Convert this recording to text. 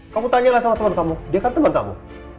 kamu tanyalah sama temen kamu dia kan temen kamu